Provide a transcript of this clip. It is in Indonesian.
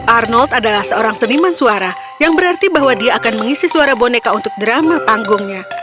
arnold adalah seorang seniman suara yang berarti bahwa dia akan mengisi suara boneka untuk drama panggungnya